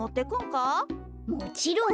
もちろん！